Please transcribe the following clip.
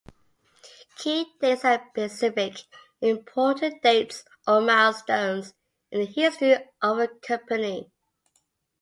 Key dates are specific important dates or milestones in the history of a company.